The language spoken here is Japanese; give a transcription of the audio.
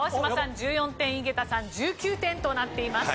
１４点井桁さん１９点となっています。